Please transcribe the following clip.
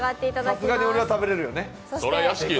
さすがに俺は食べれるよね。